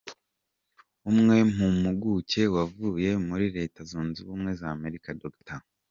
Umwe mu mpuguke wavuye muri Leta Zunze Ubumwe z’Amerika Dr.